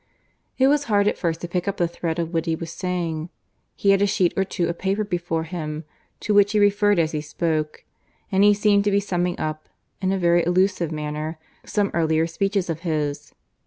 It was hard at first to pick up the thread of what he was saying. He had a sheet or two of paper before him, to which he referred as he spoke, and he seemed to be summing up, in a very allusive manner, some earlier speeches of his.